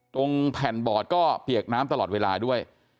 ตรงแผ่นบอดก็เปียกน้ำตลอดเวลาด้วย